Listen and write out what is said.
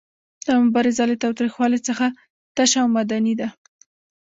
دا مبارزه له تاوتریخوالي څخه تشه او مدني ده.